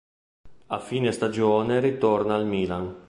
A fine stagione ritorna al Milan.